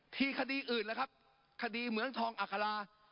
ที่คดีอื่นนะครับคดีเหมือนทองอะฆารา